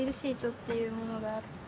っていうものがあって。